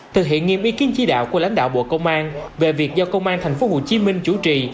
thực hiện nghiêm ý kiến chỉ đạo của lãnh đạo bộ công an về việc do công an tp hcm chủ trì